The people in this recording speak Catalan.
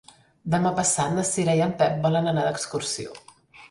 Demà passat na Cira i en Pep volen anar d'excursió.